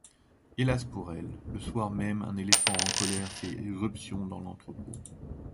Hélas pour elle, le soir-même un éléphant en colère fait irruption dans l'entrepôt.